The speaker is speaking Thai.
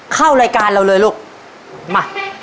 เข้ารายการเราเลยลูกมา